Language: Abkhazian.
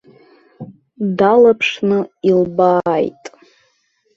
Далаԥшны илбааит.